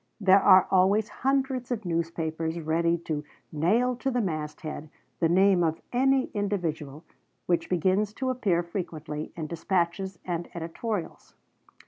There are always hundreds of newspapers ready to "nail to the mast head" the name of any individual which begins to appear frequently in dispatches and editorials.